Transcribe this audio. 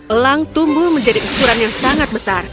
elang tumbuh menjadi ukuran yang sangat besar